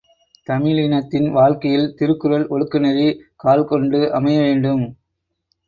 தமிழினத்தின் வாழ்க்கையில் திருக்குறள் ஒழுக்கநெறி கால்கொண்டு அமையவேண்டும்.